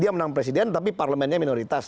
dia menang presiden tapi parlemennya minoritas